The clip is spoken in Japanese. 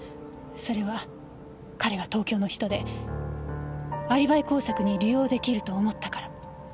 それは彼が東京の人でアリバイ工作に利用できると思ったから。